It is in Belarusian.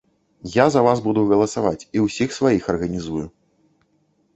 Я за вас буду галасаваць і ўсіх сваіх арганізую.